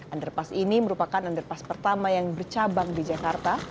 underpass ini merupakan underpass pertama yang bercabang di jakarta